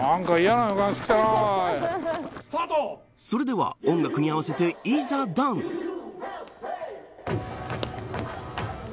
それでは音楽に合わせて、いざダンス。